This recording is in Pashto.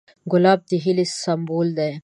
ګلاب د هیلې سمبول دی.